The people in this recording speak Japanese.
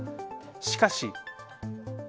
しかし。